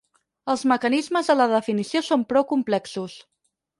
Els mecanismes de la definició són prou complexos.